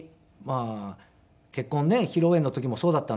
結婚披露宴の時もそうだったんですけど。